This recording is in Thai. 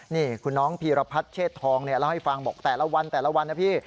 นี่คุณน้องพีรพัฒเชษทองแล้วให้ฟังบอกว่าแต่ละวันนะพี่